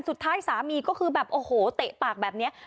สุดท้ายสามีก็คือแบบโอ้โหเตะปากแบบนี้